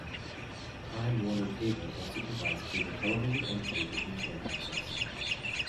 Time Warner Cable also provides cable television and cable Internet access.